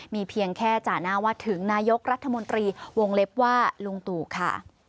มีเพียงแค่จ่าหน้าว่าถึงนายกรัฐมนตรีวงเล็บว่าลุงตู่ค่ะ